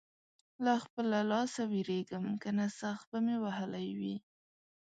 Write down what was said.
له خپله لاسه وېرېږم؛ که نه سخت به مې وهلی وې.